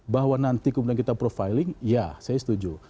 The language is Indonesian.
bahwa nanti kemudian kita profiling ya saya setuju